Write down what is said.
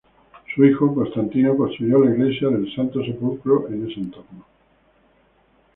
Su hijo, Constantino, construyó la Iglesia del Santo Sepulcro en ese entorno.